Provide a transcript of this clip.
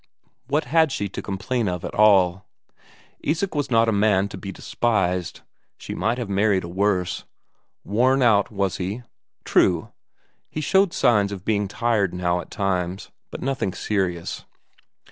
What had she to complain of at all? Isak was not a man to be despised; she might have married a worse. Worn out, was he? True, he showed signs of being tired now at times, but nothing serious.